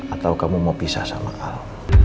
atau kamu mau pisah sama allah